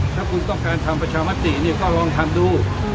ถ้าคุณต้องการทำประชามติเนี่ยก็ลองทำดู